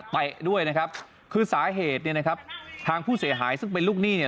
ด้วยนะครับคือสาเหตุเนี่ยนะครับทางผู้เสียหายซึ่งเป็นลูกหนี้เนี่ย